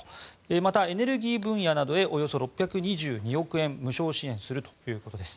また、エネルギー分野などへおよそ６２２億円無償支援するということです。